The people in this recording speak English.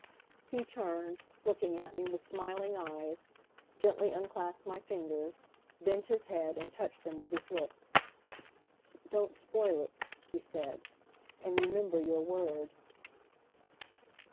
He turned, looking at me with smiling eyes, gently unclasped my fingers, bent his head and touched them with his lips. "Don't spoil it," he said, "and remember your word."